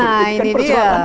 nah ini dia